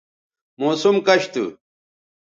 موسم کش تھو